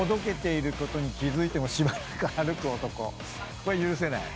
これ許せない？